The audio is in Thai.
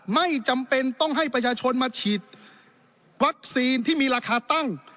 ไม่จำเป็นต้องให้ประชาชนมาฉีดวัคซีนที่มีราคาตั้ง